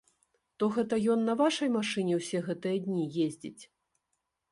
То гэта ён на вашай машыне ўсе гэтыя дні ездзіць?